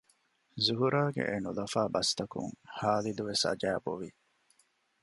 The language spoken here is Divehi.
ޒުހުރާގެ އެނުލަފާ ބަސްތަކުން ހާލިދުވެސް އަޖައިބު ވި